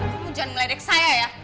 kok mujaan meledek saya ya